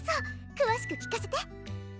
くわしく聞かせて！